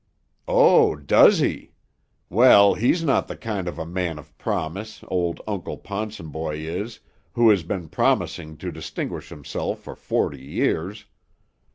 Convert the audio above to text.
"Oh, does he? Well, he's not the kind of a man of promise, Uncle Ponsonboy is, who has been promising to distinguish himself for forty years.